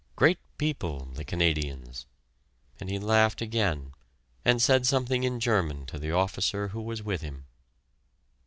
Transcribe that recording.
Great people the Canadians!" And he laughed again and said something in German to the officer who was with him.